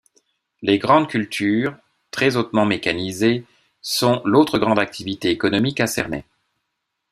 Les grandes cultures, très hautement mécanisées, sont l'autre grande activité économique à Cernay.